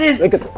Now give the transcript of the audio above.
tidak ada apa apa